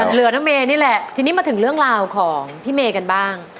เหลือน้องเมนี่แหละจริงมาถึงเรื่องราวของพี่เมกันบ้าง